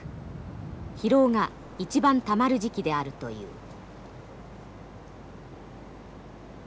疲労が一番たまる時期であるという。